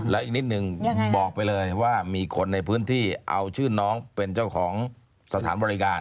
และอีกนิดนึงบอกไปเลยว่ามีคนในพื้นที่เอาชื่อน้องเป็นเจ้าของสถานบริการ